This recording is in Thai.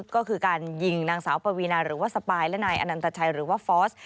ก็คือการยิงนางสาวปวีนาหรือว่าสปายและนายอนันตชัยหรือว่าฟอส